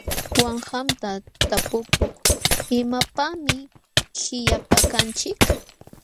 Uqam qamta tapukuk: ¿Imapaqmi qillqaykanchik?